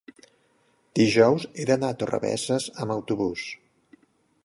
dijous he d'anar a Torrebesses amb autobús.